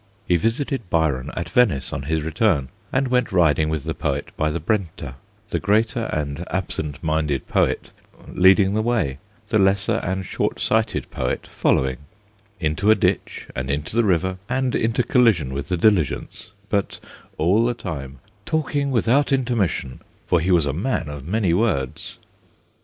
He visited Byron at Venice on his return, and went riding with the poet by the Brenta, the greater and absent minded poet leading the way, the lesser and short sighted poet following into a ditch, and into the river, and into collision with the diligence, but all the time 'talking without intermission, for he was a man of many words.'